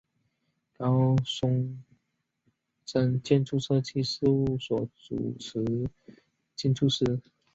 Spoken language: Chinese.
高松伸建筑设计事务所主持建筑师。